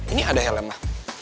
ini ada helm ma